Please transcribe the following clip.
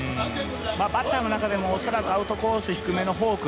バッターの中でも恐らくアウトコースの低めのフォーク